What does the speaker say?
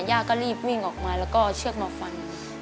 ย่าก็รีบวิ่งออกมาแล้วก็เอาเชือกมาฟัน